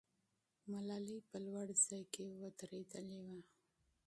ملالۍ په لوړ ځای کې ودرېدلې وه.